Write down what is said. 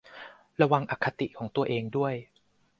ระวังอคติของตัวเองด้วย